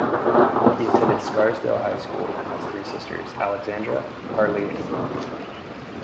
He attended Scarsdale High School and has three sisters: Alexandra, Carly, and Lauren.